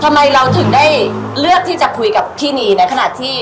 ทำไมเราถึงได้เลือกที่พีวฟิร์นนี่